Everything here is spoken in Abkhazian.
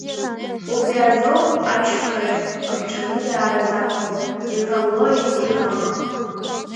Убри азоуп ашьхарахь агәҽанызаара заҭаху, иҟамло егьыҟам.